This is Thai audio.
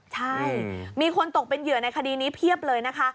ใช่มีคนตกเป็นเหยื่อในคดีนี้เพียบเลยนะคะ